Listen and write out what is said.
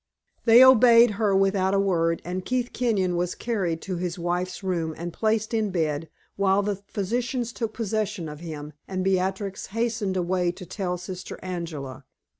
They obeyed her without a word, and Keith Kenyon was carried to his wife's room, and placed in bed, while the physicians took possession of him, and Beatrix hastened away to tell Sister Angela.